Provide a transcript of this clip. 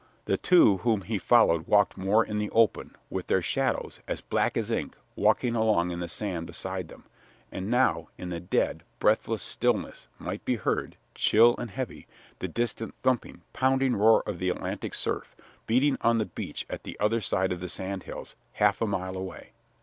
The two whom he followed walked more in the open, with their shadows, as black as ink, walking along in the sand beside them, and now, in the dead, breathless stillness, might be heard, dull and heavy, the distant thumping, pounding roar of the Atlantic surf, beating on the beach at the other side of the sand hills, half a mile away.